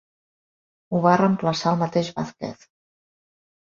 Ho va reemplaçar el mateix Vázquez.